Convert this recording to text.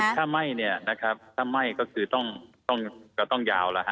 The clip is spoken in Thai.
ถ้าไหม้เนี่ยนะครับถ้าไหม้ก็คือต้องยาวแล้วฮะ